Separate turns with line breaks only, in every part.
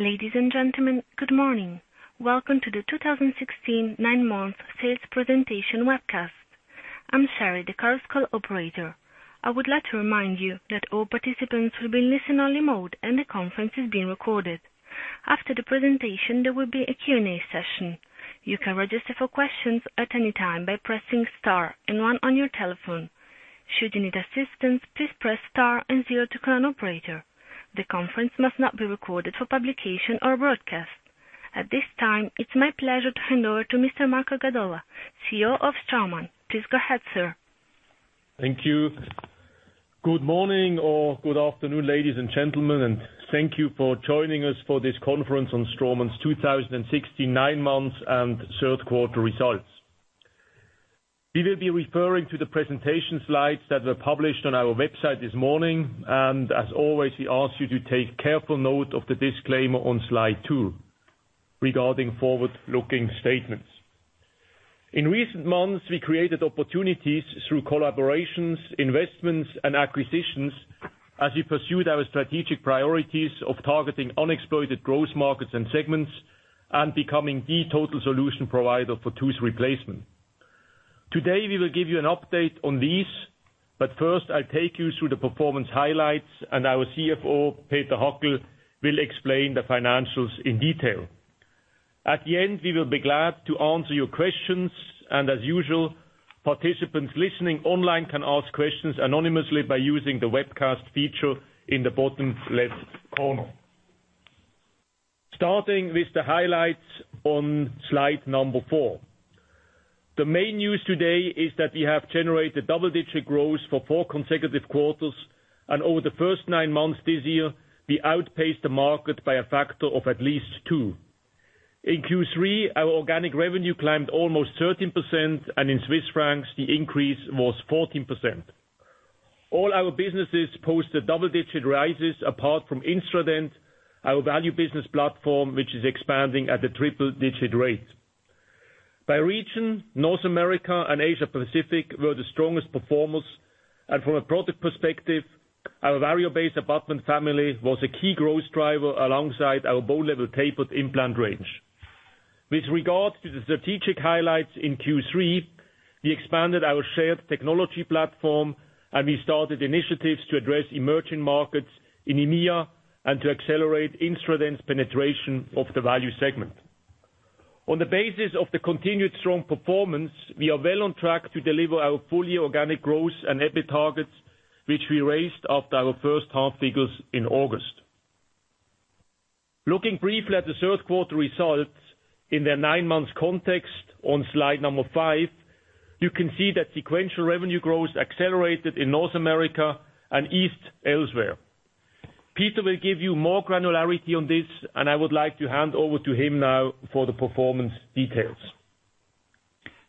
Ladies and gentlemen, good morning. Welcome to the 2016 nine-month sales presentation webcast. I'm Sherry, the customer call operator. I would like to remind you that all participants will be in listen-only mode, and the conference is being recorded. After the presentation, there will be a Q&A session. You can register for questions at any time by pressing star and one on your telephone. Should you need assistance, please press star and zero to connect to an operator. The conference must not be recorded for publication or broadcast. At this time, it's my pleasure to hand over to Mr Marco Gadola, CEO of Straumann. Please go ahead, sir.
Thank you. Good morning or good afternoon, ladies and gentlemen, and thank you for joining us for this conference on Straumann's 2016 nine months and third-quarter results. We will be referring to the presentation slides that were published on our website this morning, as always, we ask you to take careful note of the disclaimer on slide two regarding forward-looking statements. In recent months, we created opportunities through collaborations, investments, and acquisitions as we pursued our strategic priorities of targeting unexploited growth markets and segments and becoming the total solution provider for tooth replacement. Today, we will give you an update on these, first, I'll take you through the performance highlights, and our CFO, Peter Hackel, will explain the financials in detail. At the end, we will be glad to answer your questions, as usual, participants listening online can ask questions anonymously by using the webcast feature in the bottom left corner. Starting with the highlights on slide number four. The main news today is that we have generated double-digit growth for four consecutive quarters, and over the first nine months this year, we outpaced the market by a factor of at least two. In Q3, our organic revenue climbed almost 13%, in CHF, the increase was 14%. All our businesses posted double-digit rises apart from Instradent, our value business platform, which is expanding at a triple-digit rate. By region, North America and Asia Pacific were the strongest performers, from a product perspective, our Variobase abutment family was a key growth driver alongside our bone level tapered implant range. With regard to the strategic highlights in Q3, we expanded our shared technology platform, we started initiatives to address emerging markets in EMEA and to accelerate Instradent's penetration of the value segment. On the basis of the continued strong performance, we are well on track to deliver our full-year organic growth and EBIT targets, which we raised after our first half figures in August. Looking briefly at the third-quarter results in their nine-month context on slide number five, you can see that sequential revenue growth accelerated in North America and eased elsewhere. Peter will give you more granularity on this, I would like to hand over to him now for the performance details.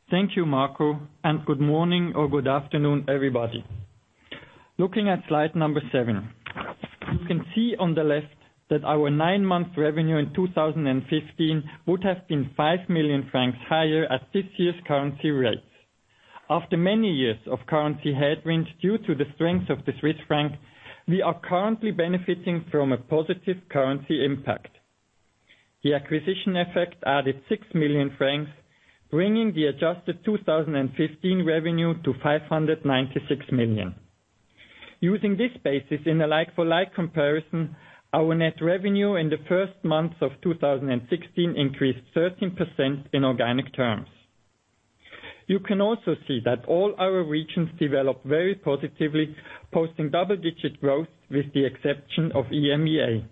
Thank you, Marco. Good morning or good afternoon, everybody. Looking at slide number seven. You can see on the left that our nine-month revenue in 2015 would have been 5 million francs higher at this year's currency rates. After many years of currency headwinds due to the strength of the Swiss franc, we are currently benefiting from a positive currency impact. The acquisition effect added 6 million francs, bringing the adjusted 2015 revenue to 596 million. Using this basis in a like-for-like comparison, our net revenue in the first months of 2016 increased 13% in organic terms. You can also see that all our regions developed very positively, posting double-digit growth with the exception of EMEA.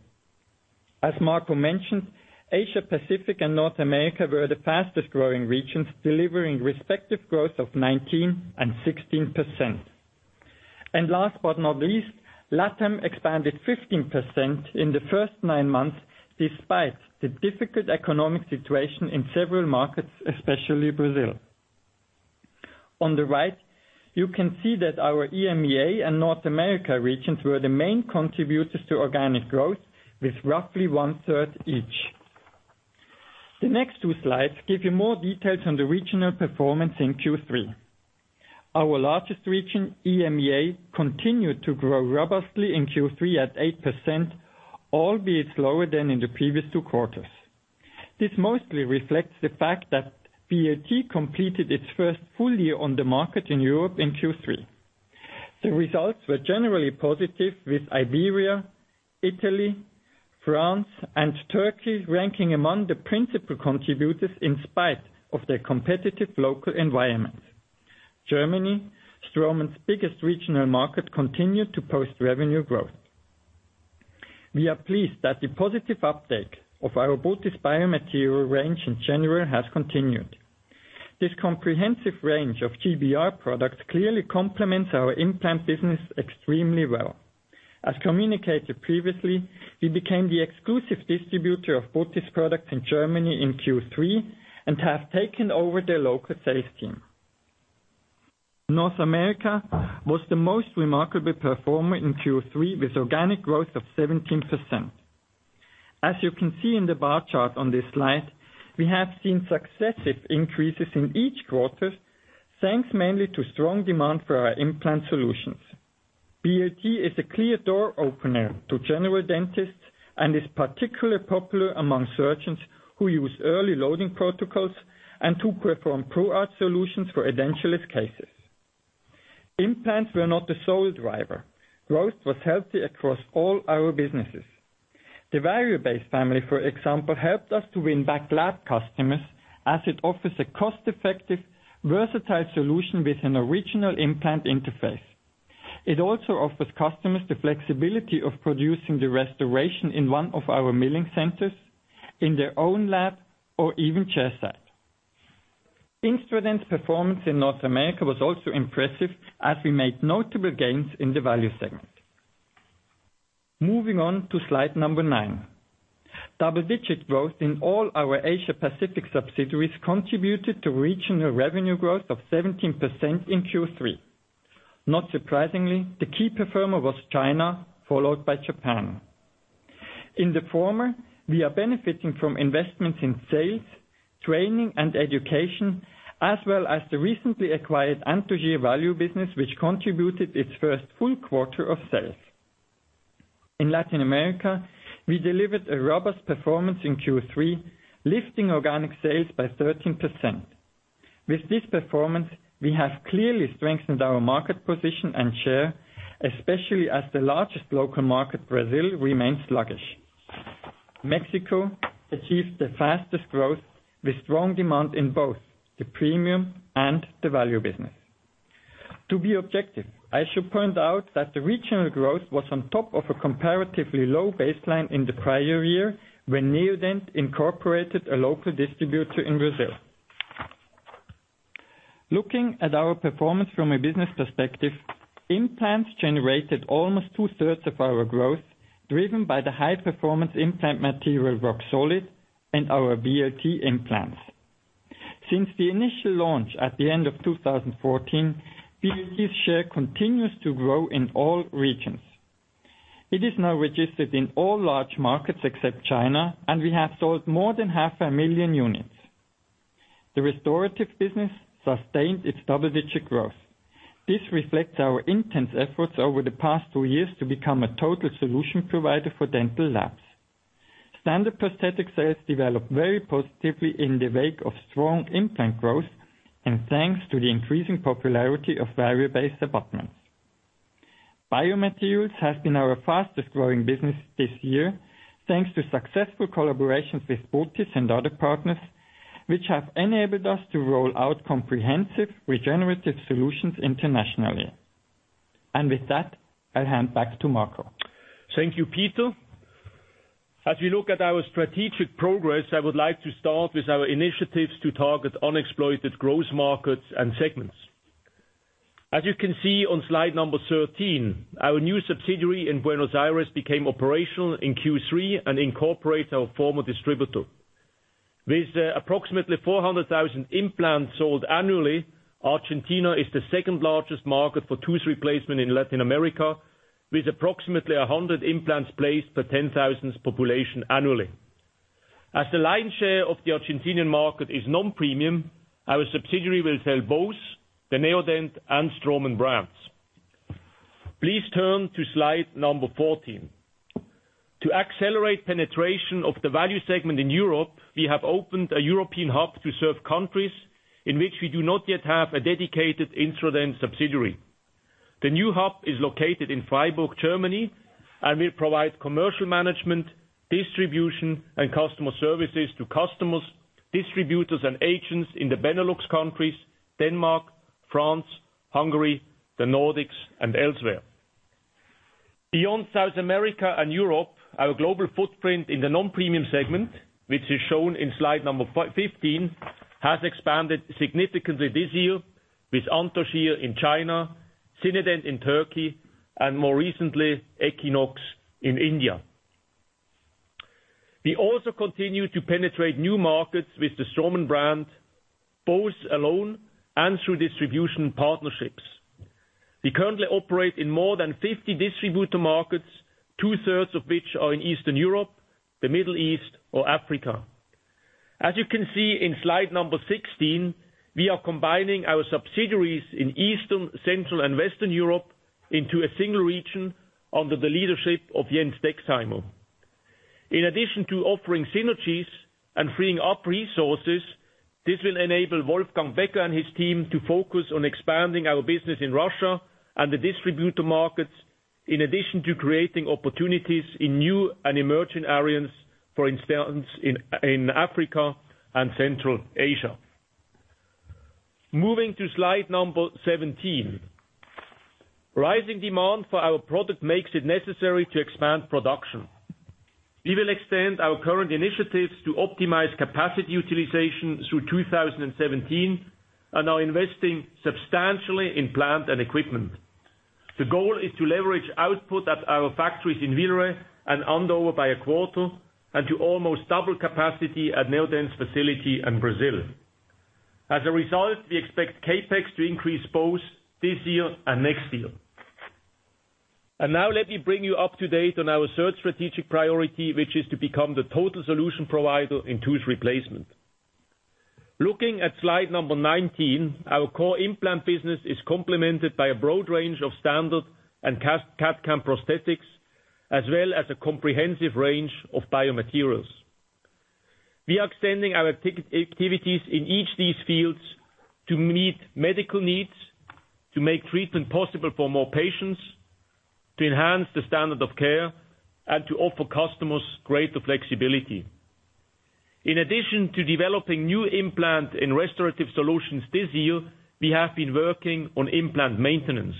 As Marco mentioned, Asia Pacific and North America were the fastest-growing regions, delivering respective growth of 19% and 16%. Last but not least, LATAM expanded 15% in the first nine months despite the difficult economic situation in several markets, especially Brazil. On the right, you can see that our EMEA and North America regions were the main contributors to organic growth with roughly one-third each. The next two slides give you more details on the regional performance in Q3. Our largest region, EMEA, continued to grow robustly in Q3 at 8%, albeit slower than in the previous two quarters. This mostly reflects the fact that BLT completed its first full year on the market in Europe in Q3. The results were generally positive with Iberia, Italy, France, and Turkey ranking among the principal contributors in spite of their competitive local environment. Germany, Straumann's biggest regional market, continued to post revenue growth. We are pleased that the positive uptake of our botiss biomaterial range in January has continued. This comprehensive range of GBR products clearly complements our implant business extremely well. As communicated previously, we became the exclusive distributor of botiss products in Germany in Q3 and have taken over their local sales team. North America was the most remarkable performer in Q3, with organic growth of 17%. As you can see in the bar chart on this slide, we have seen successive increases in each quarter thanks mainly to strong demand for our implant solutions. BLT is a clear door opener to general dentists and is particularly popular among surgeons who use early loading protocols and who perform Pro Arch solutions for edentulous cases. Implants were not the sole driver. Growth was healthy across all our businesses. The Variobase family, for example, helped us to win back lab customers as it offers a cost-effective, versatile solution with an original implant interface. It also offers customers the flexibility of producing the restoration in one of our milling centers, in their own lab, or even chairside. Instradent performance in North America was also impressive as we made notable gains in the value segment. Moving on to slide number nine. Double-digit growth in all our Asia Pacific subsidiaries contributed to regional revenue growth of 17% in Q3. Not surprisingly, the key performer was China, followed by Japan. In the former, we are benefiting from investments in sales, training, and education, as well as the recently acquired Anthogyr value business, which contributed its first full quarter of sales. In Latin America, we delivered a robust performance in Q3, lifting organic sales by 13%. With this performance, we have clearly strengthened our market position and share, especially as the largest local market, Brazil, remains sluggish. Mexico achieved the fastest growth with strong demand in both the premium and the value business. To be objective, I should point out that the regional growth was on top of a comparatively low baseline in the prior year, when Neodent incorporated a local distributor in Brazil. Looking at our performance from a business perspective, implants generated almost two-thirds of our growth, driven by the high-performance implant material Roxolid and our BLT implants. Since the initial launch at the end of 2014, BLT's share continues to grow in all regions. It is now registered in all large markets except China, and we have sold more than half a million units. The restorative business sustained its double-digit growth. This reflects our intense efforts over the past two years to become a total solution provider for dental labs. Standard prosthetic sales developed very positively in the wake of strong implant growth and thanks to the increasing popularity of Variobase abutments. Biomaterials has been our fastest-growing business this year, thanks to successful collaborations with botiss and other partners, which have enabled us to roll out comprehensive regenerative solutions internationally. With that, I'll hand back to Marco.
Thank you, Peter. We look at our strategic progress, I would like to start with our initiatives to target unexploited growth markets and segments. You can see on slide number 13, our new subsidiary in Buenos Aires became operational in Q3 and incorporates our former distributor. With approximately 400,000 implants sold annually, Argentina is the second-largest market for tooth replacement in Latin America, with approximately 100 implants placed per 10,000 population annually. As the lion's share of the Argentinian market is non-premium, our subsidiary will sell both the Neodent and Straumann brands. Please turn to slide number 14. To accelerate penetration of the value segment in Europe, we have opened a European hub to serve countries in which we do not yet have a dedicated Instradent subsidiary. The new hub is located in Freiburg, Germany, and will provide commercial management, distribution, and customer services to customers, distributors, and agents in the Benelux countries, Denmark, France, Hungary, the Nordics, and elsewhere. Beyond South America and Europe, our global footprint in the non-premium segment, which is shown in slide number 15, has expanded significantly this year with Anthogyr in China, Sinedent in Turkey, and more recently, Equinox in India. We also continue to penetrate new markets with the Straumann brand, both alone and through distribution partnerships. We currently operate in more than 50 distributor markets, two-thirds of which are in Eastern Europe, the Middle East, or Africa. You can see in slide number 16, we are combining our subsidiaries in Eastern, Central, and Western Europe into a single region under the leadership of Jens Dexheimer. In addition to offering synergies and freeing up resources, this will enable Wolfgang Becker and his team to focus on expanding our business in Russia and the distributor markets, in addition to creating opportunities in new and emerging areas, for instance, in Africa and Central Asia. Moving to slide number 17. Rising demand for our product makes it necessary to expand production. We will extend our current initiatives to optimize capacity utilization through 2017 and are investing substantially in plant and equipment. The goal is to leverage output at our factories in Villeret and Andover by a quarter and to almost double capacity at Neodent's facility in Brazil. As a result, we expect CapEx to increase both this year and next year. Now let me bring you up to date on our third strategic priority, which is to become the total solution provider in tooth replacement. Looking at slide number 19, our core implant business is complemented by a broad range of standard and CAD/CAM prosthetics, as well as a comprehensive range of biomaterials. We are extending our activities in each of these fields to meet medical needs, to make treatment possible for more patients, to enhance the standard of care, and to offer customers greater flexibility. In addition to developing new implant and restorative solutions this year, we have been working on implant maintenance.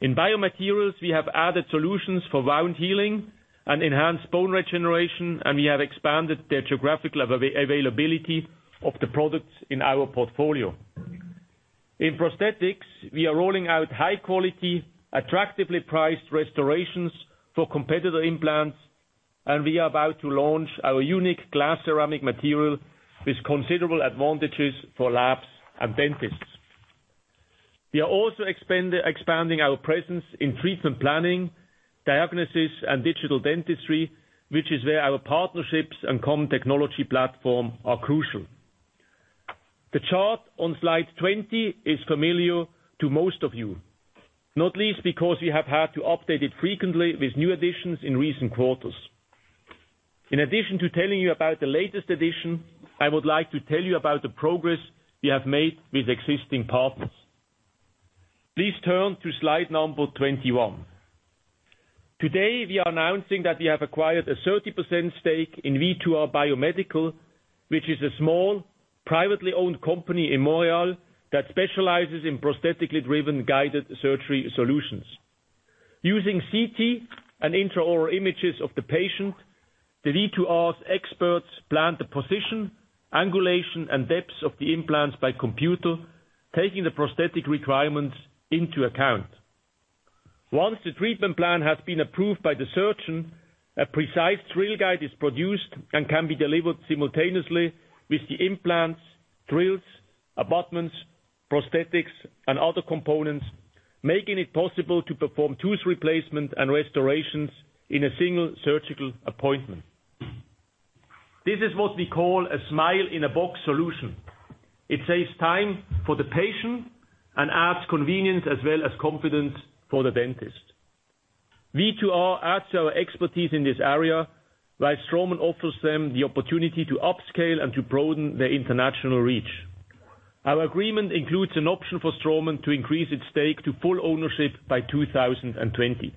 In biomaterials, we have added solutions for wound healing and enhanced bone regeneration, and we have expanded the geographical availability of the products in our portfolio. In prosthetics, we are rolling out high-quality, attractively priced restorations for competitor implants, and we are about to launch our unique glass ceramic material with considerable advantages for labs and dentists. We are also expanding our presence in treatment planning, diagnosis, and digital dentistry, which is where our partnerships and common technology platform are crucial. The chart on slide 20 is familiar to most of you, not least because we have had to update it frequently with new additions in recent quarters. In addition to telling you about the latest addition, I would like to tell you about the progress we have made with existing partners. Please turn to slide number 21. Today, we are announcing that we have acquired a 30% stake in V2R Biomedical, which is a small, privately owned company in Montreal that specializes in prosthetically driven guided surgery solutions. Using CT and intraoral images of the patient, the V2R's experts plan the position, angulation, and depth of the implants by computer, taking the prosthetic requirements into account. Once the treatment plan has been approved by the surgeon, a precise drill guide is produced and can be delivered simultaneously with the implants, drills, abutments, prosthetics, and other components, making it possible to perform tooth replacement and restorations in a single surgical appointment. This is what we call a smile-in-a-box solution. It saves time for the patient and adds convenience as well as confidence for the dentist. V2R adds to our expertise in this area, while Straumann offers them the opportunity to upscale and to broaden their international reach. Our agreement includes an option for Straumann to increase its stake to full ownership by 2020.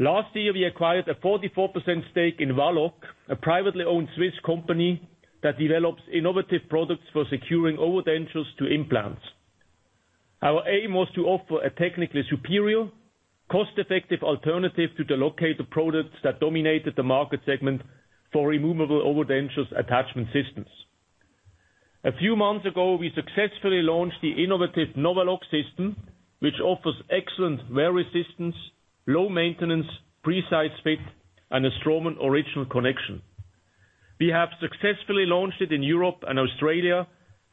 Last year, we acquired a 44% stake in Valoc, a privately owned Swiss company that develops innovative products for securing overdentures to implants. Our aim was to offer a technically superior, cost-effective alternative to the LOCATOR products that dominated the market segment for removable overdentures attachment systems. A few months ago, we successfully launched the innovative Novaloc system, which offers excellent wear resistance, low maintenance, precise fit, and a Straumann Original connection. We have successfully launched it in Europe and Australia,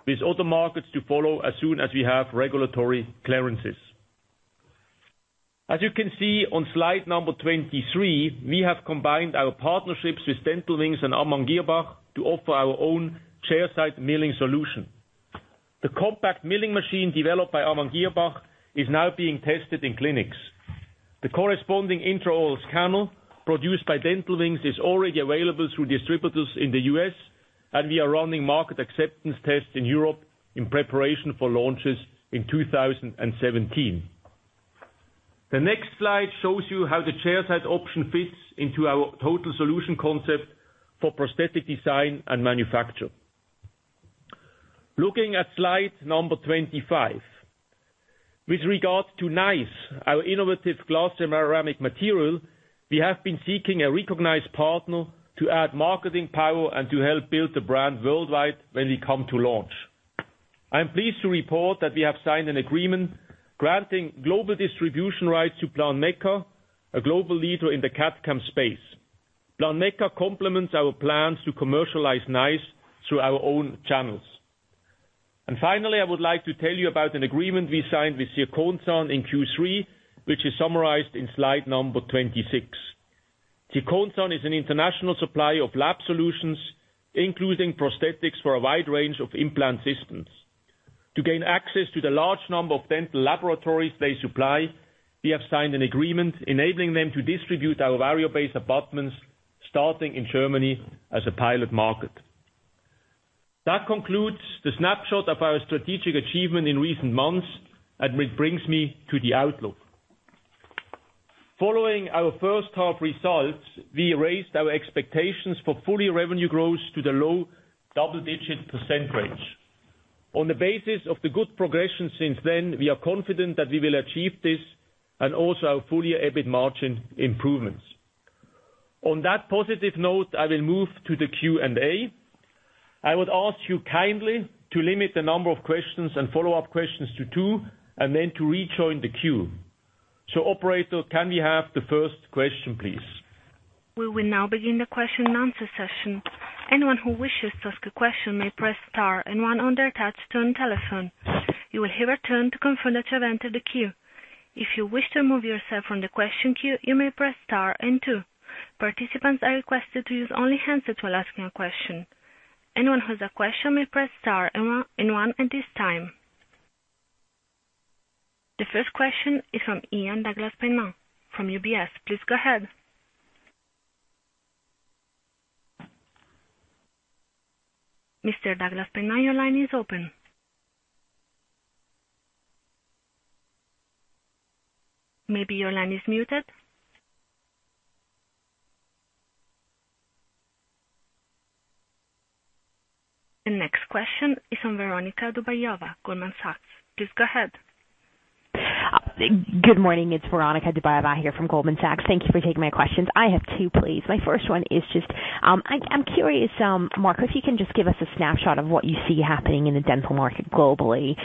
with other markets to follow as soon as we have regulatory clearances. As you can see on slide number 23, we have combined our partnerships with Dental Wings and Amann Girrbach to offer our own chair-side milling solution. The compact milling machine developed by Amann Girrbach is now being tested in clinics. The corresponding intraoral scanner produced by Dental Wings is already available through distributors in the U.S., and we are running market acceptance tests in Europe in preparation for launches in 2017. The next slide shows you how the chair-side option fits into our total solution concept for prosthetic design and manufacture. Looking at slide number 25. With regard to n!ce, our innovative glass-ceramic material, we have been seeking a recognized partner to add marketing power and to help build the brand worldwide when we come to launch. I am pleased to report that we have signed an agreement granting global distribution rights to Planmeca, a global leader in the CAD/CAM space. Planmeca complements our plans to commercialize n!ce through our own channels. Finally, I would like to tell you about an agreement we signed with Zirkonzahn in Q3, which is summarized in slide number 26. Zirkonzahn is an international supplier of lab solutions, including prosthetics for a wide range of implant systems. To gain access to the large number of dental laboratories they supply, we have signed an agreement enabling them to distribute our Variobase abutments, starting in Germany as a pilot market. That concludes the snapshot of our strategic achievement in recent months, and which brings me to the outlook. Following our first half results, we raised our expectations for full-year revenue growth to the low double-digit percentage. On the basis of the good progression since then, we are confident that we will achieve this and also our full-year EBIT margin improvements. On that positive note, I will move to the Q&A. I would ask you kindly to limit the number of questions and follow-up questions to two, and then to rejoin the queue. So operator, can we have the first question, please?
We will now begin the question and answer session. Anyone who wishes to ask a question may press star and one on their touch-tone telephone. You will hear a tone to confirm that you have entered the queue. If you wish to remove yourself from the question queue, you may press star and two. Participants are requested to use only handsets to ask a question. Anyone who has a question may press star and one at this time. The first question is from Ian Douglas-Pennant from UBS. Please go ahead. Mr. Douglas-Pennant, your line is open. Maybe your line is muted. The next question is from Veronika Dubajova, Goldman Sachs. Please go ahead.
Good morning. It's Veronika Dubajova here from Goldman Sachs. Thank you for taking my questions. I have two, please. My first one is, I'm curious, Marco, if you can give us a snapshot of what you see happening in the dental market globally.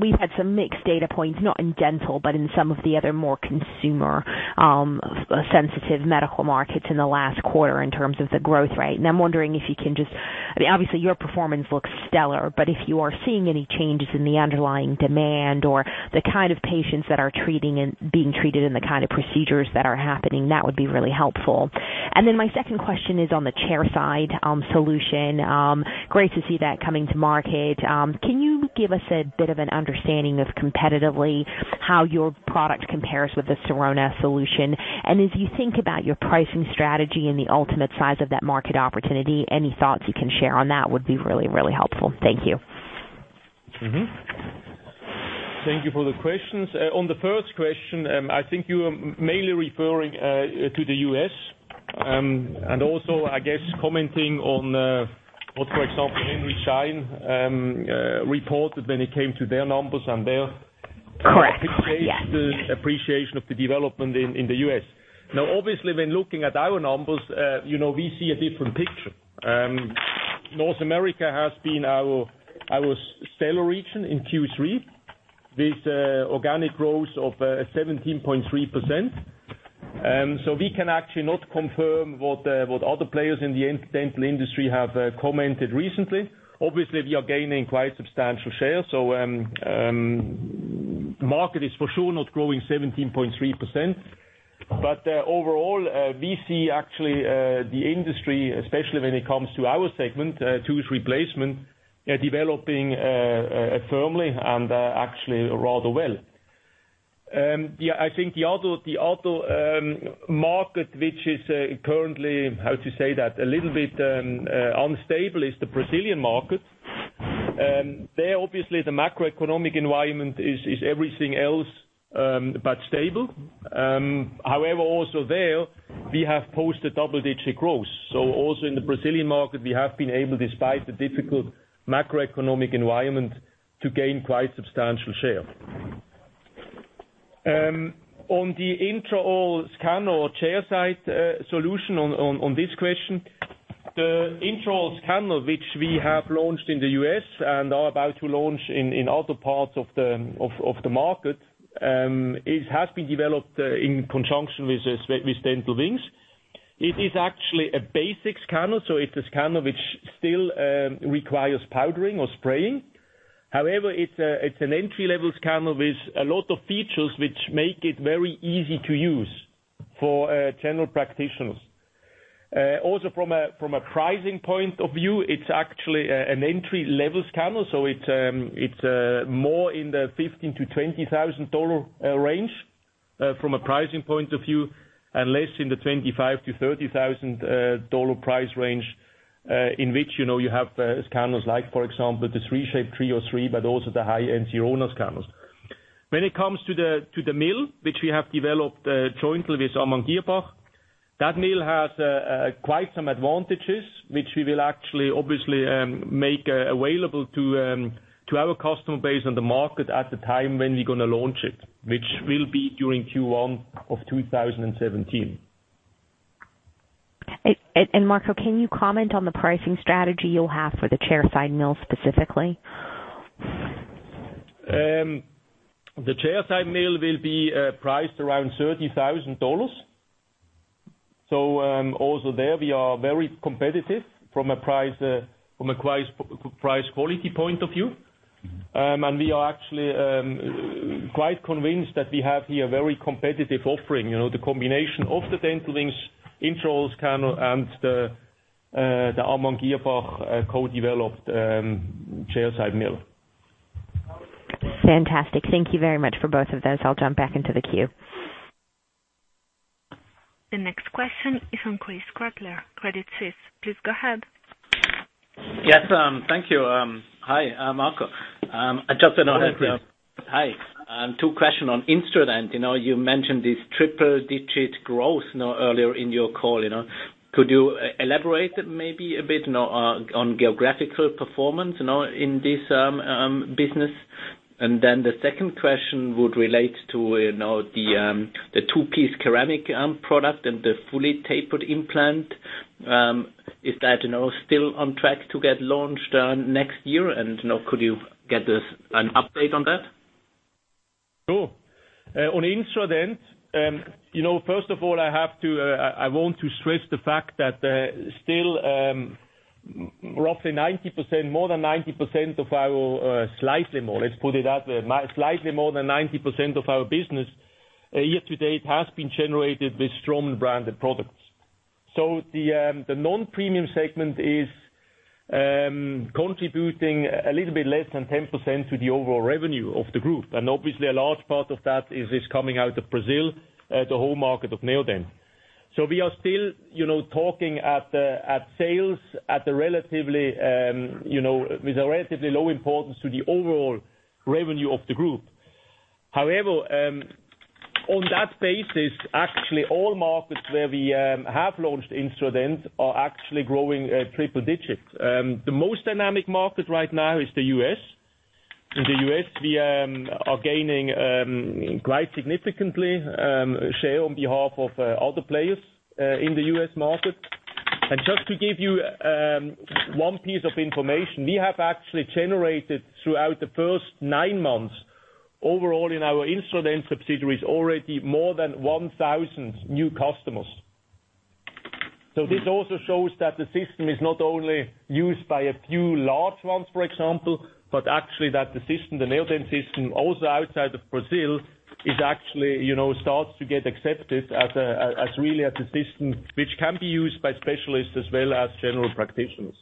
We've had some mixed data points, not in dental, but in some of the other more consumer sensitive medical markets in the last quarter in terms of the growth rate. I'm wondering if you can— Obviously, your performance looks stellar, but if you are seeing any changes in the underlying demand or the kind of patients that are being treated and the kind of procedures that are happening, that would be really helpful. My second question is on the chair-side solution. Great to see that coming to market. Can you give us a bit of an understanding of competitively how your product compares with the Sirona solution? As you think about your pricing strategy and the ultimate size of that market opportunity, any thoughts you can share on that would be really, really helpful. Thank you.
Thank you for the questions. On the first question, I think you are mainly referring to the U.S., also, I guess commenting on what, for example, Henry Schein reported when it came to their numbers.
Correct. Yes
Obviously, when looking at our numbers, we see a different picture. North America has been our stellar region in Q3 with organic growth of 17.3%. We can actually not confirm what other players in the dental industry have commented recently. Obviously, we are gaining quite substantial share. Market is for sure not growing 17.3%, but overall, we see actually the industry, especially when it comes to our segment, tooth replacement, developing firmly and actually rather well. I think the other market which is currently, how to say that, a little bit unstable is the Brazilian market. There obviously the macroeconomic environment is everything else but stable. Also there we have posted double-digit growth. So also in the Brazilian market, we have been able, despite the difficult macroeconomic environment, to gain quite substantial share. On the intraoral scanner or chair side solution on this question, the intraoral scanner, which we have launched in the U.S. and are about to launch in other parts of the market, it has been developed in conjunction with Dental Wings. It is actually a basic scanner, so it's a scanner which still requires powdering or spraying. It's an entry-level scanner with a lot of features which make it very easy to use for general practitioners. Also from a pricing point of view, it's actually an entry-level scanner, so it's more in the $15,000-$20,000 range from a pricing point of view and less in the $25,000-$30,000 price range, in which you have scanners like, for example, the 3Shape TRIOS 3, but also the high-end Sirona scanners. When it comes to the mill, which we have developed jointly with Amann Girrbach, that mill has quite some advantages, which we will actually obviously make available to our customer base on the market at the time when we're going to launch it, which will be during Q1 of 2017.
Marco, can you comment on the pricing strategy you'll have for the chair side mill specifically?
The chair side mill will be priced around $30,000. Also there we are very competitive from a price quality point of view. We are actually quite convinced that we have here a very competitive offering, the combination of the Dental Wings intraoral scanner and the Amann Girrbach co-developed chair side mill.
Fantastic. Thank you very much for both of those. I will jump back into the queue.
The next question is from Chris Kretler, Credit Suisse. Please go ahead.
Yes. Thank you. Hi, Marco.
Hi, Chris.
Hi. Two question on Instradent. You mentioned this triple-digit growth earlier in your call. Could you elaborate maybe a bit on geographical performance in this business? The second question would relate to the two-piece ceramic product and the fully tapered implant. Is that still on track to get launched next year, and could you get us an update on that?
Sure. On Instradent, first of all, I want to stress the fact that still roughly 90%, more than 90%, slightly more, let's put it that way. Slightly more than 90% of our business year to date has been generated with Straumann-branded products. The non-premium segment is contributing a little bit less than 10% to the overall revenue of the group. Obviously a large part of that is coming out of Brazil, the home market of Neodent. We are still talking at sales with a relatively low importance to the overall revenue of the group. However, on that basis, actually all markets where we have launched Instradent are actually growing triple digits. The most dynamic market right now is the U.S. In the U.S., we are gaining quite significantly share on behalf of other players in the U.S. market. Just to give you one piece of information, we have actually generated throughout the first nine months overall in our Instradent subsidiaries already more than 1,000 new customers. This also shows that the system is not only used by a few large ones, for example, but actually that the Neodent system also outside of Brazil, is actually starts to get accepted as really a system which can be used by specialists as well as general practitioners.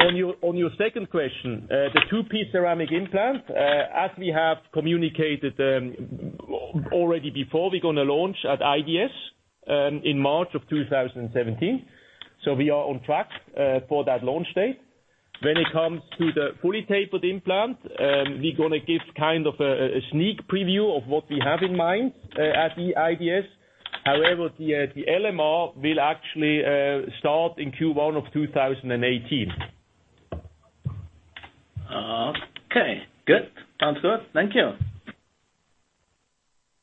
On your second question, the two-piece ceramic implant. As we have communicated already before, we're going to launch at IDS in March of 2017. We are on track for that launch date. When it comes to the fully tapered implant, we're going to give a sneak preview of what we have in mind at the IDS. However, the LMR will actually start in Q1 of 2018.
Okay, good. Sounds good. Thank you.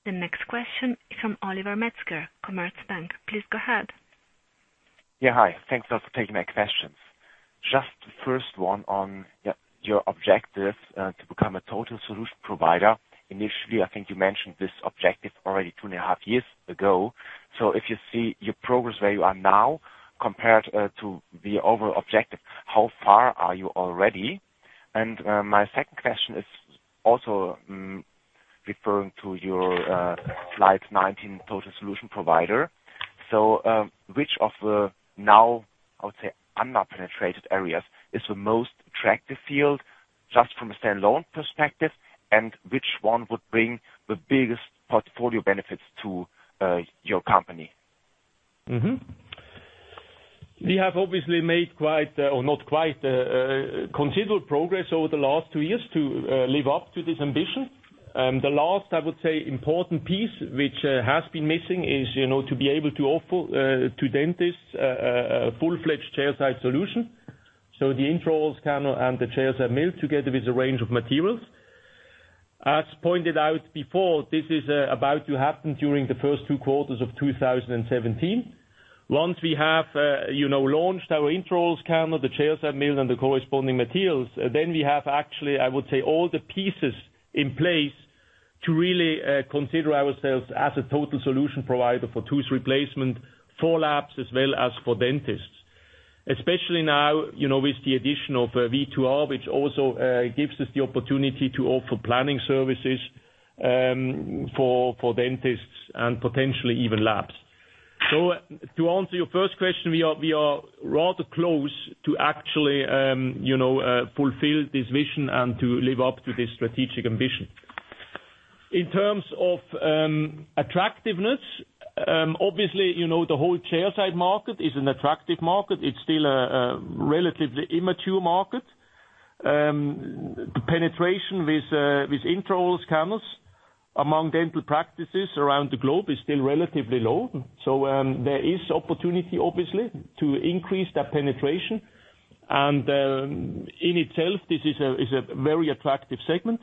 The next question is from Oliver Metzger, Commerzbank. Please go ahead.
Yeah. Hi. Thanks a lot for taking my questions. Just the first one on your objective to become a total solution provider. Initially, I think you mentioned this objective already two and a half years ago. If you see your progress where you are now compared to the overall objective, how far are you already? My second question is also referring to your slide 19 total solution provider. Which of the now, I would say, unpenetrated areas is the most attractive field, just from a standalone perspective, and which one would bring the biggest portfolio benefits to your company?
Mm-hmm. We have obviously made quite, or not quite, considerable progress over the last two years to live up to this ambition. The last, I would say, important piece, which has been missing is to be able to offer to dentists a full-fledged chairside solution. The intraoral scanner and the chairside mill, together with a range of materials. As pointed out before, this is about to happen during the first two quarters of 2017. Once we have launched our intraoral scanner, the chairside mill and the corresponding materials, we have actually, I would say, all the pieces in place to really consider ourselves as a total solution provider for tooth replacement for labs as well as for dentists. Especially now, with the addition of V2R, which also gives us the opportunity to offer planning services for dentists and potentially even labs. To answer your first question, we are rather close to actually fulfill this mission and to live up to this strategic ambition. In terms of attractiveness, obviously, the whole chairside market is an attractive market. It's still a relatively immature market. The penetration with intraoral scanners among dental practices around the globe is still relatively low. There is opportunity, obviously, to increase that penetration. In itself, this is a very attractive segment.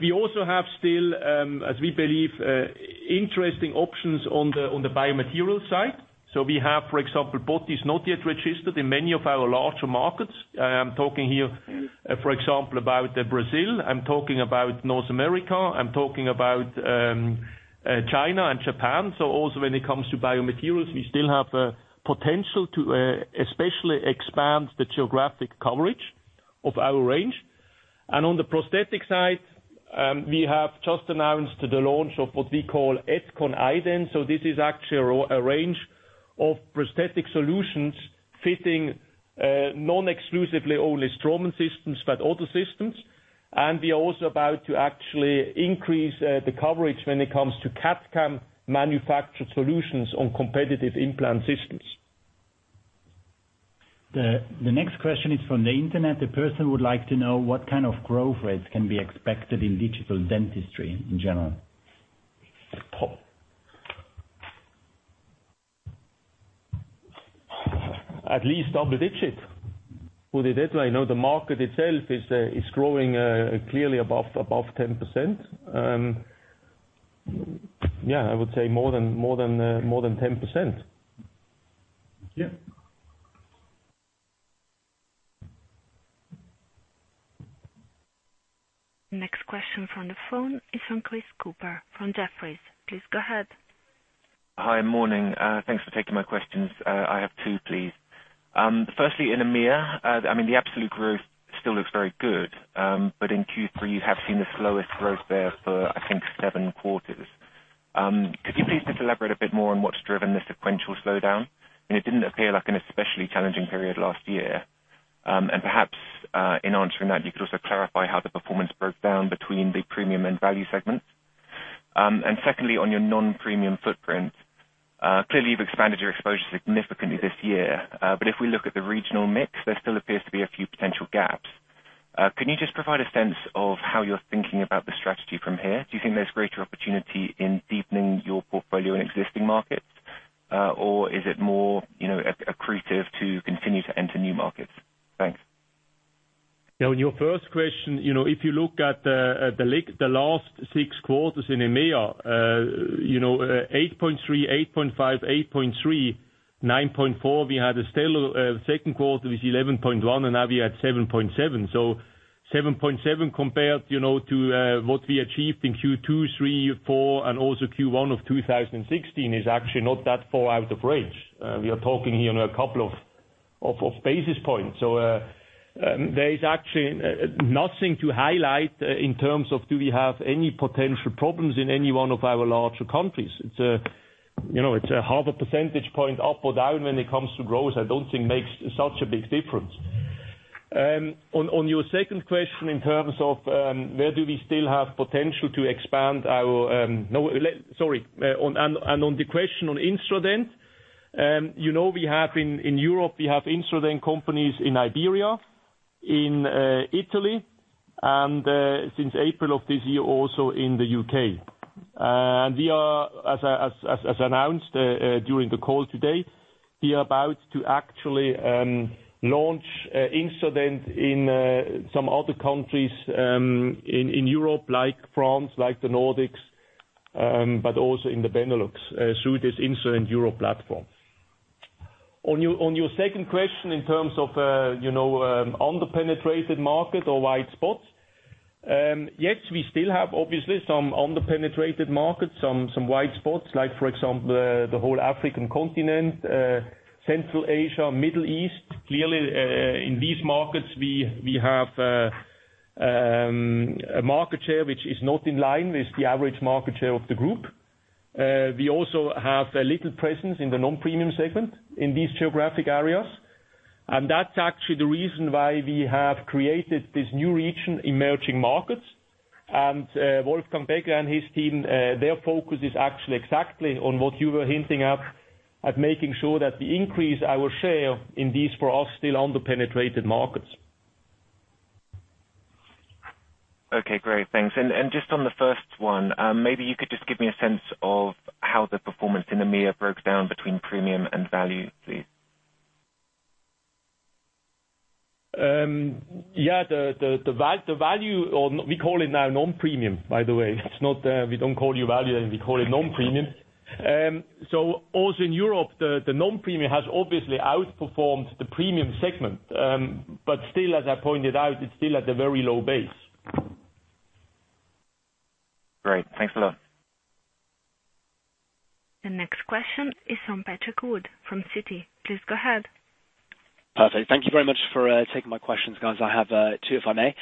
We also have still, as we believe, interesting options on the biomaterial side. We have, for example, botiss not yet registered in many of our larger markets. I'm talking here, for example, about Brazil. I'm talking about North America. I'm talking about China and Japan. Also when it comes to biomaterials, we still have potential to especially expand the geographic coverage of our range. On the prosthetic side, we have just announced the launch of what we call etkon iDent. This is actually a range of prosthetic solutions fitting non-exclusively only Straumann systems, but other systems. We are also about to actually increase the coverage when it comes to CAD/CAM manufactured solutions on competitive implant systems.
The next question is from the internet. The person would like to know what kind of growth rates can be expected in digital dentistry in general.
At least double-digit. Put it that way. The market itself is growing clearly above 10%. Yeah, I would say more than 10%.
Yeah.
Next question from the phone is from Chris Cooper from Jefferies. Please go ahead.
Hi, morning. Thanks for taking my questions. I have two, please. Firstly, in EMEA, the absolute growth still looks very good. In Q3, you have seen the slowest growth there for, I think, seven quarters. Could you please just elaborate a bit more on what's driven the sequential slowdown? It didn't appear like an especially challenging period last year. Perhaps, in answering that, you could also clarify how the performance broke down between the premium and value segments. Secondly, on your non-premium footprint, clearly you've expanded your exposure significantly this year. If we look at the regional mix, there still appears to be a few potential gaps. Can you just provide a sense of how you're thinking about the strategy from here? Do you think there's greater opportunity in deepening your portfolio in existing markets? Is it more accretive to continue to enter new markets? Thanks.
On your first question, if you look at the last six quarters in EMEA, 8.3%, 8.5%, 8.3%, 9.4%. We had a stellar second quarter with 11.1% and now we're at 7.7%. 7.7% compared to what we achieved in Q2, 3, 4 and also Q1 of 2016 is actually not that far out of range. We are talking here on a couple of basis points. There is actually nothing to highlight in terms of do we have any potential problems in any one of our larger countries. It's a half a percentage point up or down when it comes to growth, I don't think makes such a big difference. On your second question, in terms of where do we still have potential to expand... Sorry. On the question on Instradent. In Europe, we have Instradent companies in Iberia, in Italy and, since April of this year, also in the U.K. As announced during the call today, we are about to actually launch Instradent in some other countries in Europe, like France, like the Nordics, but also in the Benelux through this Instradent Europe platform. On your second question in terms of under-penetrated market or white spots. Yes, we still have obviously some under-penetrated markets, some white spots like, for example, the whole African continent, Central Asia, Middle East. Clearly, in these markets, we have a market share, which is not in line with the average market share of the group. We also have a little presence in the non-premium segment in these geographic areas. That's actually the reason why we have created this new region, emerging markets. Wolfgang Becker and his team, their focus is actually exactly on what you were hinting at making sure that the increase our share in these, for us, still under-penetrated markets.
Okay, great. Thanks. Just on the first one, maybe you could just give me a sense of how the performance in EMEA broke down between premium and value, please.
Yeah. The value, we call it now non-premium, by the way. We don't call you value, we call it non-premium. Also in Europe, the non-premium has obviously outperformed the premium segment. Still, as I pointed out, it's still at a very low base.
Great. Thanks a lot.
The next question is from Patrick Wood, from Citi. Please go ahead.
Perfect. Thank you very much for taking my questions, guys. I have two, if I may.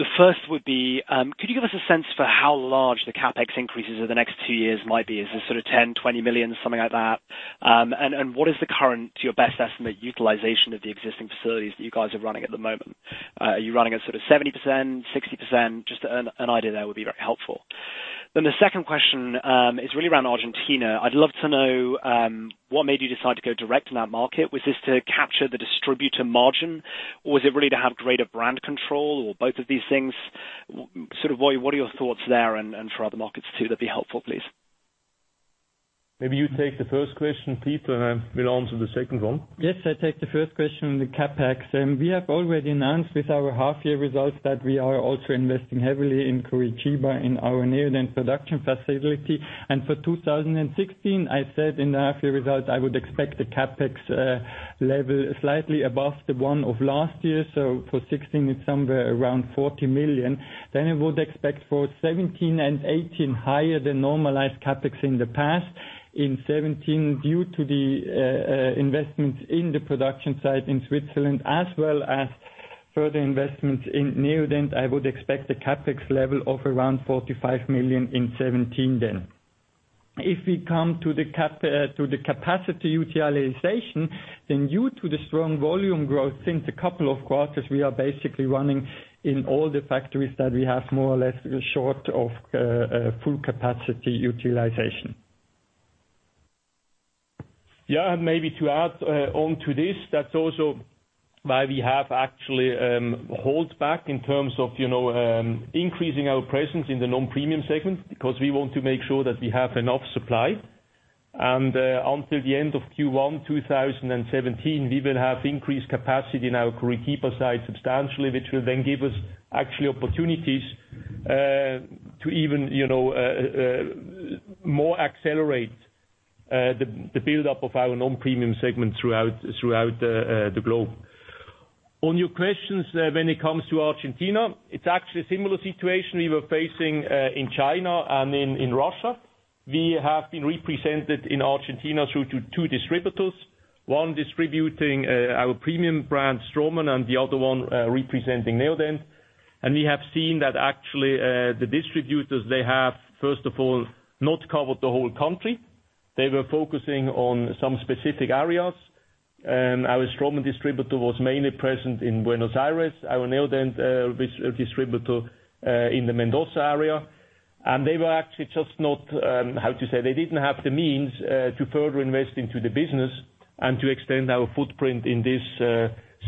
The first would be, could you give us a sense for how large the CapEx increases over the next two years might be? Is this sort of 10 million, 20 million, something like that? What is the current, to your best estimate, utilization of the existing facilities that you guys are running at the moment? Are you running at sort of 70%, 60%? Just an idea there would be very helpful. The second question is really around Argentina. I would love to know what made you decide to go direct in that market. Was this to capture the distributor margin or was it really to have greater brand control or both of these things? Sort of what are your thoughts there and for other markets too? That would be helpful, please.
Maybe you take the first question, Peter, and I will answer the second one.
Yes, I take the first question on the CapEx. We have already announced with our half year results that we are also investing heavily in Curitiba in our Neodent production facility. For 2016, I said in the half year results, I would expect the CapEx level slightly above the one of last year. For 2016, it's somewhere around 40 million. I would expect for 2017 and 2018 higher than normalized CapEx in the past. In 2017, due to the investments in the production site in Switzerland as well as further investments in Neodent, I would expect the CapEx level of around 45 million. If we come to the capacity utilization, due to the strong volume growth since a couple of quarters, we are basically running in all the factories that we have more or less short of full capacity utilization.
Maybe to add on to this, that's also why we have actually held back in terms of increasing our presence in the non-premium segment because we want to make sure that we have enough supply. Until the end of Q1 2017, we will have increased capacity in our Curitiba site substantially, which will then give us actually opportunities to even more accelerate the buildup of our non-premium segment throughout the globe. On your questions, when it comes to Argentina, it's actually a similar situation we were facing in China and in Russia. We have been represented in Argentina through two distributors, one distributing our premium brand, Straumann, and the other one representing Neodent. We have seen that actually, the distributors they have, first of all, not covered the whole country. They were focusing on some specific areas. Our Straumann distributor was mainly present in Buenos Aires, our Neodent distributor in the Mendoza area. They were actually just not, how to say, they didn't have the means to further invest into the business and to extend our footprint in this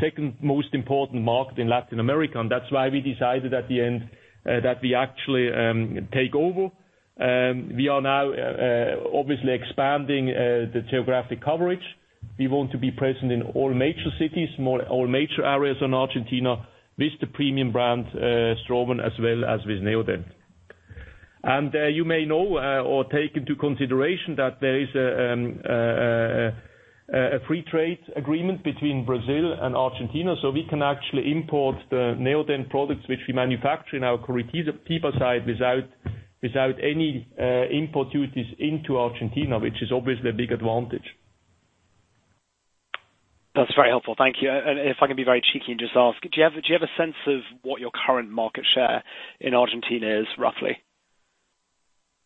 second most important market in Latin America. That's why we decided at the end that we actually take over. We are now obviously expanding the geographic coverage. We want to be present in all major cities, all major areas in Argentina with the premium brand, Straumann, as well as with Neodent. You may know or take into consideration that there is a free trade agreement between Brazil and Argentina, so we can actually import the Neodent products, which we manufacture in our Curitiba site without any import duties into Argentina, which is obviously a big advantage.
That's very helpful. Thank you. If I can be very cheeky and just ask, do you have a sense of what your current market share in Argentina is, roughly?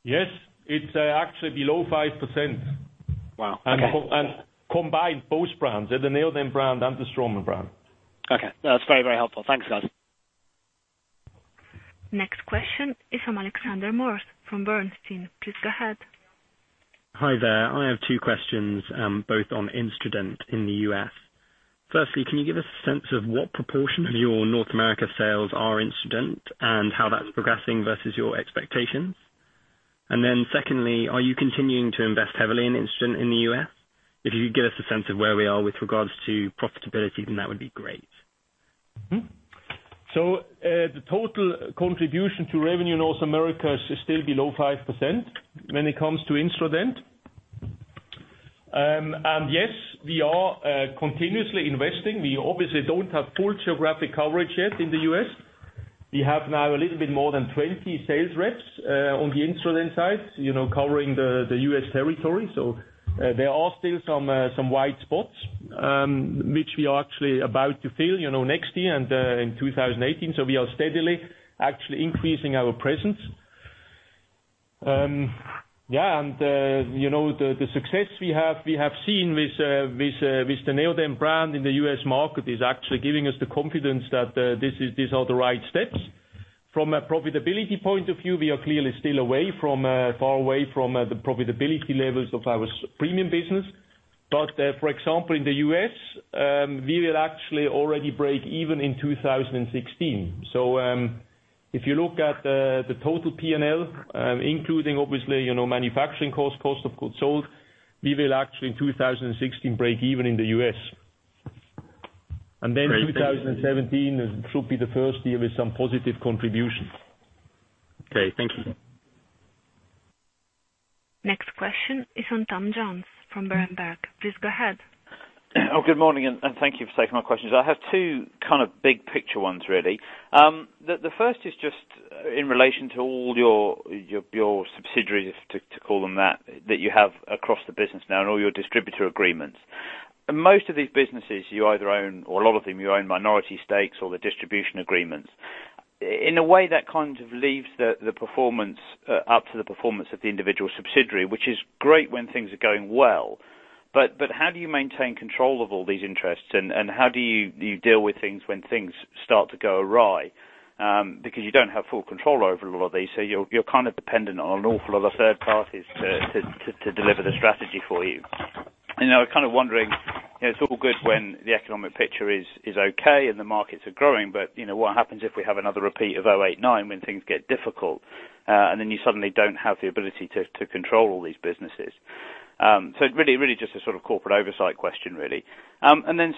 Yes, it's actually below 5%.
Wow, okay.
Combined, both brands, the Neodent brand and the Straumann brand.
Okay. No, that's very, very helpful. Thanks, guys.
Next question is from Alexander Morris from Bernstein. Please go ahead.
Hi there. I have two questions, both on Instradent in the U.S. Firstly, can you give us a sense of what proportion of your North America sales are Instradent and how that's progressing versus your expectations? Secondly, are you continuing to invest heavily in Instradent in the U.S.? If you could give us a sense of where we are with regards to profitability, that would be great.
The total contribution to revenue in North America is still below 5% when it comes to Instradent. Yes, we are continuously investing. We obviously don't have full geographic coverage yet in the U.S. We have now a little bit more than 20 sales reps on the Instradent side covering the U.S. territory. There are still some wide spots, which we are actually about to fill next year and in 2018. We are steadily actually increasing our presence. The success we have seen with the Neodent brand in the U.S. market is actually giving us the confidence that these are the right steps. From a profitability point of view, we are clearly still far away from the profitability levels of our premium business. For example, in the U.S., we will actually already break even in 2016. If you look at the total P&L, including obviously, manufacturing cost of goods sold, we will actually in 2016 break even in the U.S.
Great. Thank you.
Then 2017 should be the first year with some positive contributions.
Okay, thank you.
Next question is from Tom Jones from Berenberg. Please go ahead.
Good morning, and thank you for taking my questions. I have two big picture ones really. The first is just in relation to all your subsidiaries, to call them that you have across the business now and all your distributor agreements. Most of these businesses you either own or a lot of them, you own minority stakes or the distribution agreements. In a way that leaves the performance up to the performance of the individual subsidiary, which is great when things are going well. How do you maintain control of all these interests, and how do you deal with things when things start to go awry? Because you don't have full control over a lot of these, so you're dependent on an awful lot of third parties to deliver the strategy for you. I was wondering, it's all good when the economic picture is okay and the markets are growing, but what happens if we have another repeat of '08, '09 when things get difficult, and then you suddenly don't have the ability to control all these businesses. It really just a sort of corporate oversight question, really.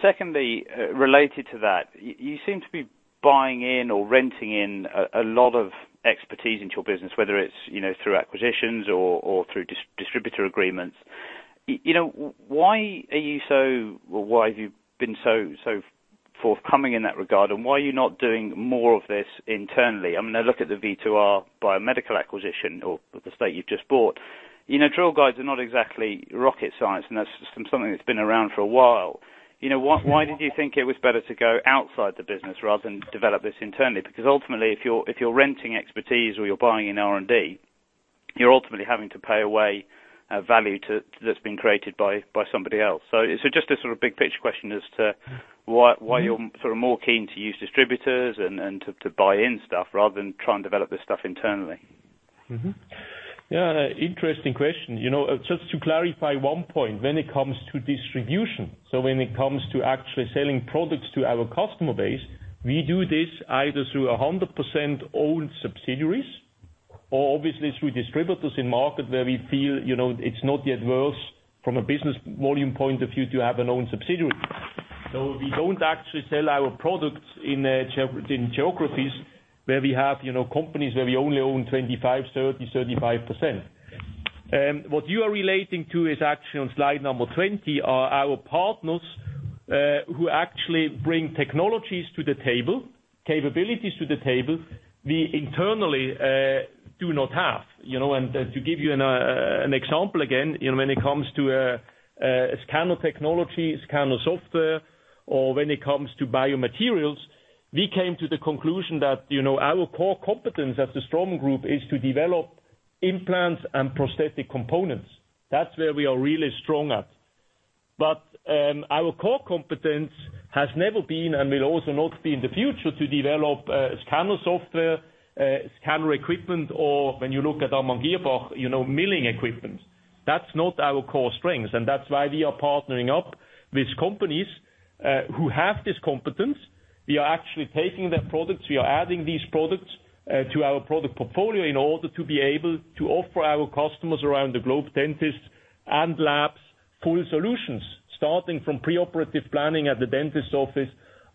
Secondly, related to that, you seem to be buying in or renting in a lot of expertise into your business, whether it's through acquisitions or through distributor agreements. Why are you so, or why have you been so forthcoming in that regard, and why are you not doing more of this internally? I look at the V2R Biomedical acquisition or the state you've just bought. Drill guides are not exactly rocket science, and that's something that's been around for a while. Why did you think it was better to go outside the business rather than develop this internally? Because ultimately, if you're renting expertise or you're buying in R&D, you're ultimately having to pay away value that's been created by somebody else. Just a sort of big picture question as to why you're more keen to use distributors and to buy in stuff rather than try and develop this stuff internally.
Interesting question. Just to clarify one point, when it comes to distribution, when it comes to actually selling products to our customer base, we do this either through 100% owned subsidiaries or obviously through distributors in markets where we feel it's not yet worth from a business volume point of view to have an owned subsidiary. We don't actually sell our products in geographies where we have companies where we only own 25%, 30%, 35%. What you are relating to is actually on slide number 20, are our partners who actually bring technologies to the table, capabilities to the table, we internally do not have. To give you an example again, when it comes to a scanner technology, scanner software, or when it comes to biomaterials, we came to the conclusion that our core competence as the Straumann Group is to develop implants and prosthetic components. That's where we are really strong at. Our core competence has never been, and will also not be in the future, to develop scanner software, scanner equipment, or when you look at our Amann Girrbach, milling equipment. That's not our core strengths. That's why we are partnering up with companies who have this competence. We are actually taking their products, we are adding these products to our product portfolio in order to be able to offer our customers around the globe, dentists and labs, full solutions, starting from preoperative planning at the dentist's office,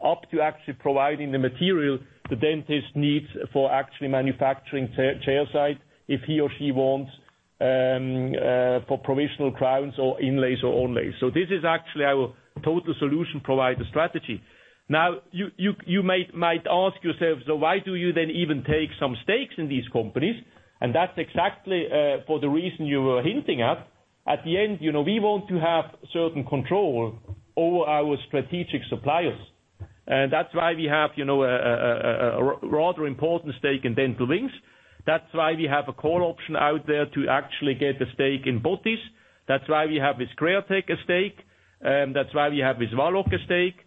up to actually providing the material the dentist needs for actually manufacturing chairside, if he or she wants, for provisional crowns or inlays or onlays. This is actually our total solution provider strategy. You might ask yourselves, "Why do you then even take some stakes in these companies?" That's exactly for the reason you were hinting at. At the end, we want to have certain control over our strategic suppliers. That's why we have a rather important stake in Dental Wings. That's why we have a call option out there to actually get a stake in botiss. That's why we have with Createch Medical, a stake. That's why we have with Valoc, a stake.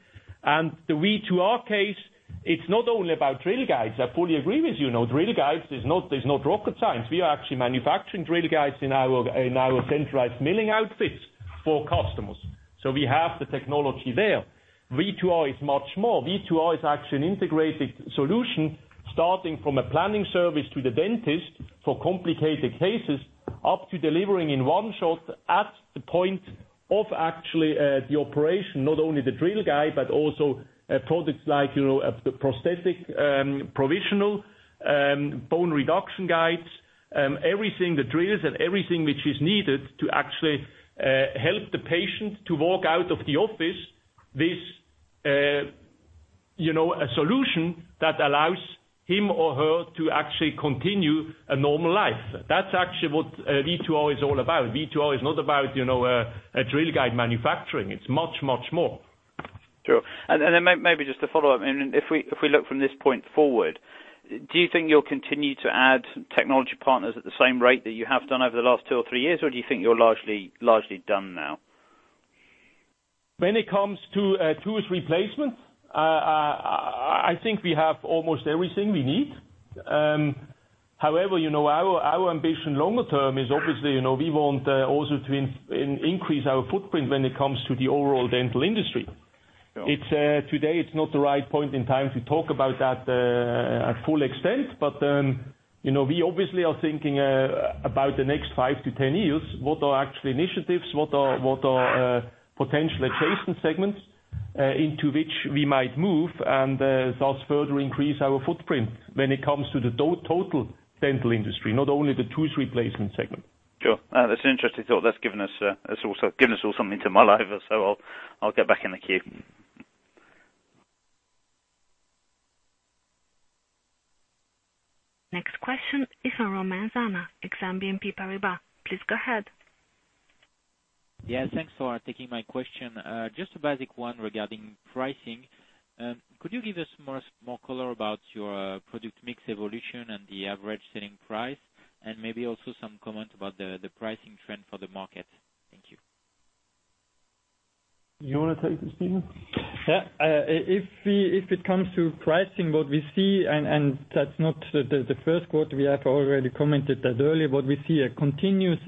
The V2R case, it's not only about drill guides. I fully agree with you. Drill guides, there's no rocket science. We are actually manufacturing drill guides in our centralized milling outfits for customers. We have the technology there. V2R is much more. V2R is actually an integrated solution, starting from a planning service to the dentist for complicated cases, up to delivering in one shot at the point of actually the operation, not only the drill guide, but also products like prosthetic provisional bone reduction guides, the drills and everything which is needed to actually help the patient to walk out of the office with a solution that allows him or her to actually continue a normal life. That's actually what V2R is all about. V2R is not about drill guide manufacturing. It's much, much more.
Sure. Then maybe just to follow up, if we look from this point forward, do you think you'll continue to add technology partners at the same rate that you have done over the last two or three years? Or do you think you're largely done now?
When it comes to tooth replacement, I think we have almost everything we need. However, our ambition longer term is obviously, we want also to increase our footprint when it comes to the overall dental industry.
Yeah.
Today, it's not the right point in time to talk about that at full extent. We obviously are thinking about the next 5 to 10 years, what are actually initiatives, what are potential adjacent segments into which we might move and thus further increase our footprint when it comes to the total dental industry, not only the tooth replacement segment.
Sure. That's an interesting thought. That's given us all something to mull over. I'll get back in the queue.
Next question is from Romain Zana, Exane BNP Paribas. Please go ahead.
Yeah, thanks for taking my question. Just a basic one regarding pricing. Could you give us more color about your product mix evolution and the average selling price? Maybe also some comment about the pricing trend for the market. Thank you.
You want to take this, Peter?
Yeah. If it comes to pricing, what we see, that's not the first quarter, we have already commented that earlier, we see a continuous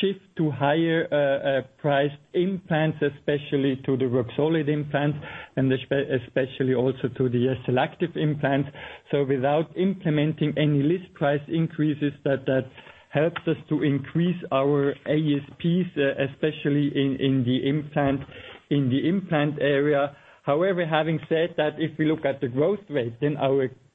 shift to higher-priced implants, especially to the Roxolid implants and especially also to the SLActive implants. Without implementing any list price increases, that helps us to increase our ASPs, especially in the implant area. However, having said that, if we look at the growth rate,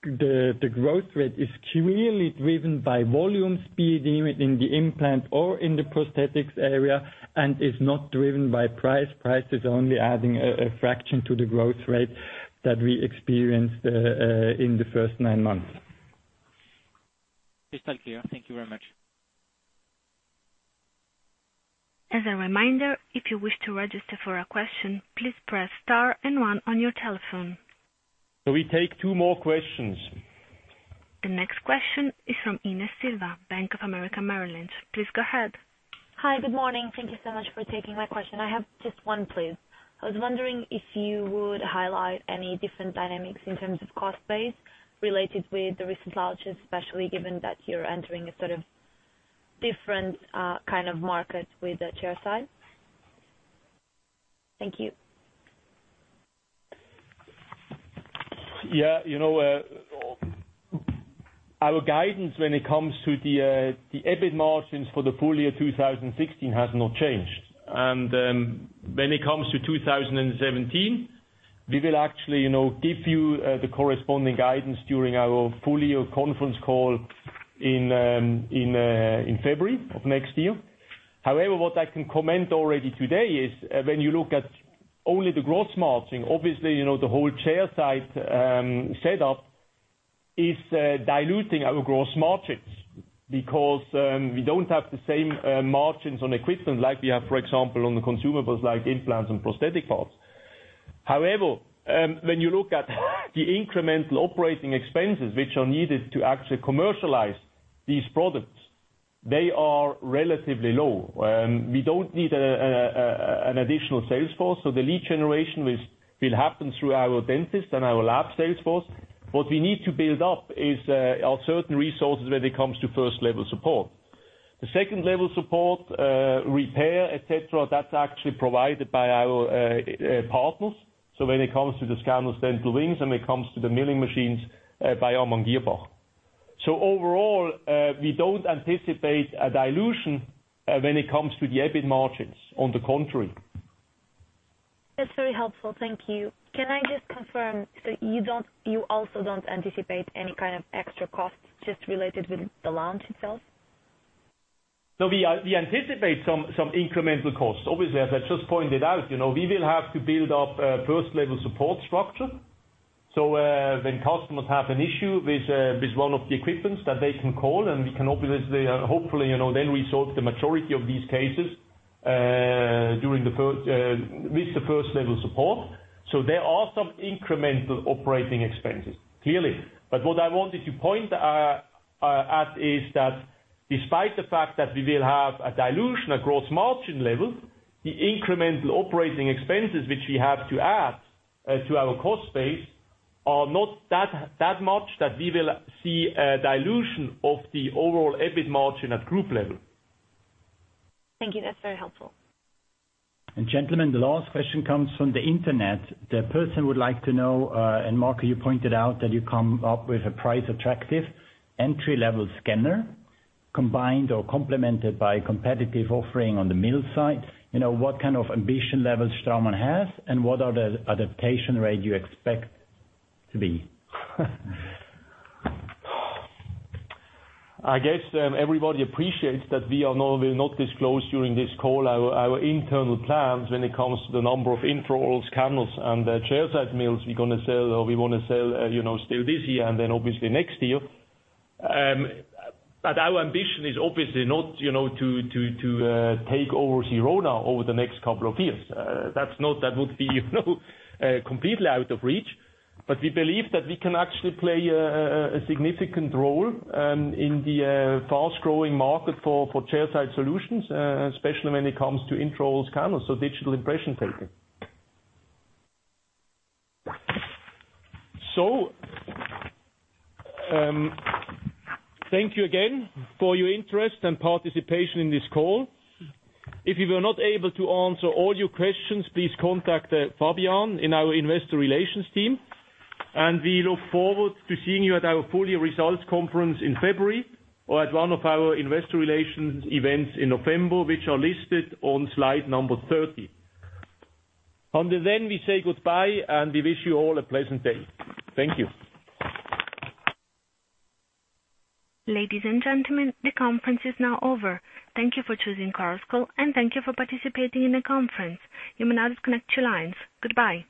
the growth rate is clearly driven by volume speed in the implant or in the prosthetics area and is not driven by price. Price is only adding a fraction to the growth rate that we experienced in the first nine months.
It's all clear. Thank you very much.
As a reminder, if you wish to register for a question, please press star and one on your telephone.
We take two more questions.
The next question is from Ines Silva, Bank of America Merrill Lynch. Please go ahead.
Hi. Good morning. Thank you so much for taking my question. I have just one, please. I was wondering if you would highlight any different dynamics in terms of cost base related with the recent launches, especially given that you're entering a sort of different kind of market with the chair-side. Thank you.
Yeah. Our guidance when it comes to the EBIT margins for the full year 2016 has not changed. When it comes to 2017, we will actually give you the corresponding guidance during our full year conference call in February of next year. However, what I can comment already today is, when you look at only the gross margin, obviously, the whole chairside setup is diluting our gross margins because we don't have the same margins on equipment like we have, for example, on the consumables like implants and prosthetic parts. However, when you look at the incremental operating expenses, which are needed to actually commercialize these products, they are relatively low. We don't need an additional sales force. The lead generation will happen through our dentists and our lab sales force. What we need to build up is our certain resources when it comes to first-level support. The second-level support, repair, et cetera, that's actually provided by our partners. When it comes to the scanner Dental Wings and when it comes to the milling machines by Amann Girrbach. Overall, we don't anticipate a dilution when it comes to the EBIT margins. On the contrary.
That's very helpful. Thank you. Can I just confirm, you also don't anticipate any kind of extra costs just related with the launch itself?
No, we anticipate some incremental costs. Obviously, as I just pointed out, we will have to build up a first-level support structure. When customers have an issue with one of the equipments, that they can call and we can hopefully then resolve the majority of these cases with the first-level support. There are some incremental operating expenses, clearly. What I wanted to point at is that despite the fact that we will have a dilution at gross margin level, the incremental operating expenses, which we have to add to our cost base, are not that much that we will see a dilution of the overall EBIT margin at group level.
Thank you. That's very helpful.
Gentlemen, the last question comes from the internet. The person would like to know, Marco, you pointed out that you come up with a price-attractive entry-level scanner combined or complemented by competitive offering on the mill side. What kind of ambition level Straumann has and what are the adaptation rate you expect to be?
I guess everybody appreciates that we will not disclose during this call our internal plans when it comes to the number of intraoral scanners and the chair-side mills we want to sell still this year and then obviously next year. Our ambition is obviously not to take over the road now over the next couple of years. That would be completely out of reach. We believe that we can actually play a significant role in the fast-growing market for chair-side solutions, especially when it comes to intraoral scanners, so digital impression taking. Thank you again for your interest and participation in this call. If we were not able to answer all your questions, please contact Fabian in our investor relations team. We look forward to seeing you at our full year results conference in February or at one of our investor relations events in November, which are listed on slide number 30. Until then, we say goodbye and we wish you all a pleasant day. Thank you.
Ladies and gentlemen, the conference is now over. Thank you for choosing Chorus Call and thank you for participating in the conference. You may now disconnect your lines. Goodbye.